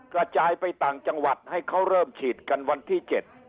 กระจายไปต่างจังหวัดให้เขาเริ่มฉีดกันวันที่๗